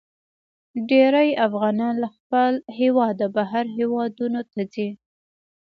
ډیرې افغانان له خپل هیواده بهر هیوادونو ته ځي.